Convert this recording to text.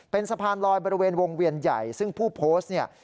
เป็นสะพานลอยบริเวณวงเวียนใหญ่ซึ่งผู้โพสต์เนี่ย